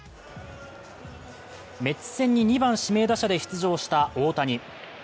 メッツ戦に２番・指名打者で出場した大谷。